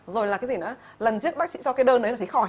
rồi là cái gì nữa lần trước bác sĩ cho cái đơn đấy là thấy khỏi